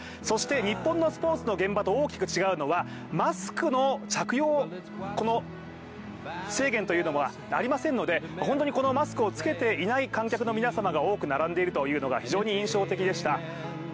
そして、日本のスポーツの現場と大きく違うのが、マスクの着用制限というのがありませんのでマスクを着けていない観客に皆様が多く並んでいるというのが非常に印象的でした。